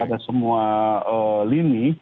pada semua ee lini